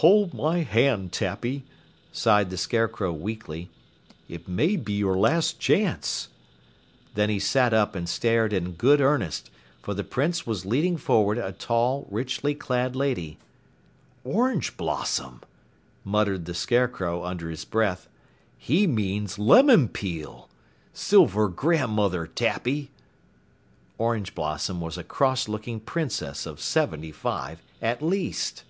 "Hold my hand, Tappy," sighed the Scarecrow weakly. "It may be your last chance." Then he sat up and stared in good earnest, for the Prince was leading forward a tall, richly clad lady. "Orange Blossom!" muttered the Scarecrow under his breath. "He means Lemon Peel! Silver grandmother, Tappy!" Orange Blossom was a cross looking Princess of seventy five, at least.